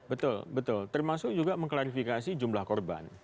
betul betul termasuk juga mengklarifikasi jumlah korban